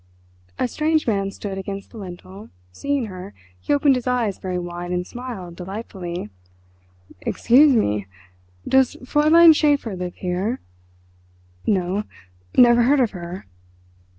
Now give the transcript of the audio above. A strange man stood against the lintel—seeing her, he opened his eyes very wide and smiled delightfully. "Excuse me—does Fräulein Schäfer live here?" "No; never heard of her."